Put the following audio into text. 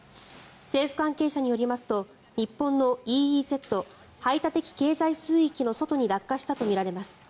政府関係者によりますと日本のＥＥＺ・排他的経済水域の外に落下したとみられます。